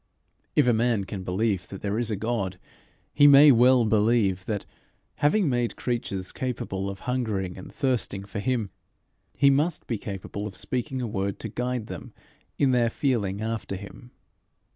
If a man can believe that there is a God, he may well believe that, having made creatures capable of hungering and thirsting for him, he must be capable of speaking a word to guide them in their feeling after him.